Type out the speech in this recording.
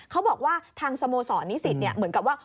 เขาบอกว่าทางสโมสรนิสิตเหมือนกับว่า